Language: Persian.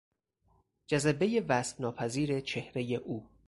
جذبهی وصف ناپذیر چهرهی او